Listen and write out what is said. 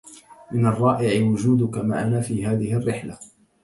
من الرائع وجودك معنا في هذه الرحلة